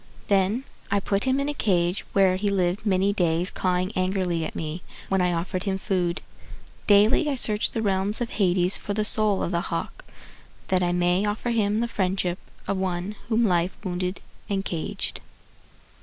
Then I put him in a cage Where he lived many days cawing angrily at me When I offered him food. Daily I search the realms of Hades For the soul of the hawk, That I may offer him the friendship Of one whom life wounded and caged.